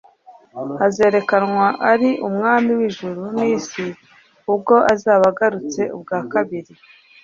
Azerekanwa ari Umwami w’ijuru n'isi ubwo azaba agarutse ubwa kabiri.